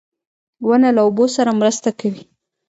• ونه له اوبو سره مرسته کوي.